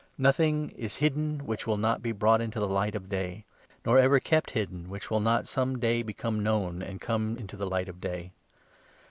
Nothing is hidden which will not be brought into 17 the light of day, nor ever kept hidden which will not some day become known and come into the light of day.